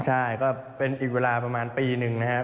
ใช่ก็เป็นอีกเวลาประมาณปีหนึ่งนะครับ